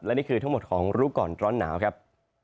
และนี่คือทั้งหมดของรู้ก่อนร้อนหนาวครับ